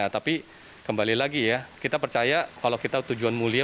tapi kembali lagi ya kita percaya kalau kita tujuan mulia